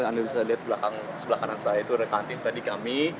anda bisa lihat sebelah kanan saya itu ada kantin tadi kami